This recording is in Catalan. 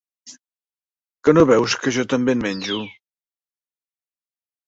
Que no veus que jo també en menjo?